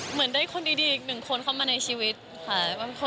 เหมือนได้คนดีอีกหนึ่งคนเข้ามาในชีวิตค่ะ